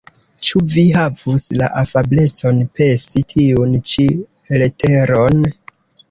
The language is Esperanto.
Ĉu vi havus la afablecon pesi tiun ĉi leteron?